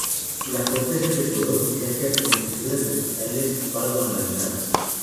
La corteza es color marrón grisácea con fisuras verticales pardo anaranjadas.